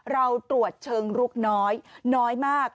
เราตรวจเชิงลุกน้อยน้อยมาก